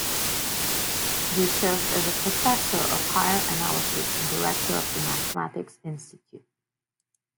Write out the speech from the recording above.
He served as a professor of higher analysis and Director of the Mathematics Institute.